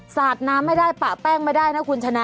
สาดน้ำไม่ได้ปะแป้งไม่ได้นะคุณชนะ